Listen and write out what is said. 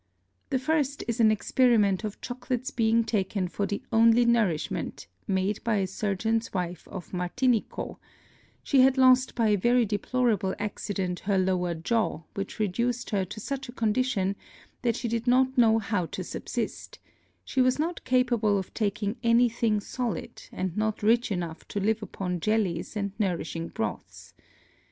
The first is an Experiment of Chocolate's being taken for the only Nourishment, made by a Surgeon's Wife of Martinico: She had lost by a very deplorable Accident her lower Jaw, which reduced her to such a Condition, that she did not know how to subsist; she was not capable of taking any thing solid, and not rich enough to live upon Jellies and nourishing Broths.